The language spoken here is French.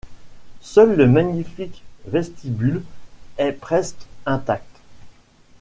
Seul, le magnifique vestibule est presque intact.